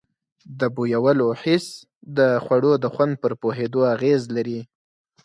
د بویولو حس د خوړو د خوند پر پوهېدو اغیز لري.